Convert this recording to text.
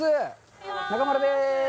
中丸です。